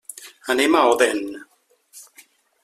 Anem a Odèn.